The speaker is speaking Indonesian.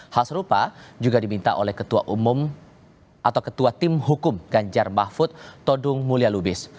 hal serupa juga diminta oleh ketua umum atau ketua tim hukum ganjar mahfud todung mulya lubis